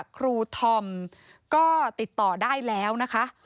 ครูธอมก็ติดต่อได้แล้วนะคะ